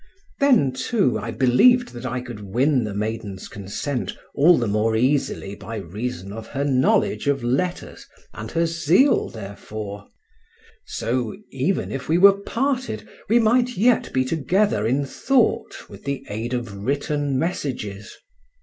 Then, too, I believed that I could win the maiden's consent all the more easily by reason of her knowledge of letters and her zeal therefor; so, even if we were parted, we might yet be together in thought with the aid of written messages.